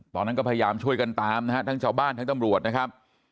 ตอนนั้นก็พยายามช่วยกันตามนะฮะทั้งชาวบ้านทั้งตำรวจนะครับ